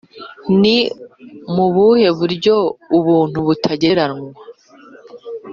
Ni mu buhe buryo ubuntu butagereranywa